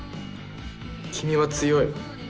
君は強い。